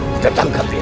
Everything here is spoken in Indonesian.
kita tangkap dia